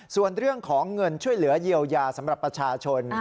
ส่วนเรื่องของเงินช่วยเหลือเยียวยาสำหรับประชาชน